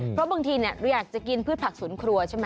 เพราะบางทีเราอยากจะกินพืชผักสวนครัวใช่ไหม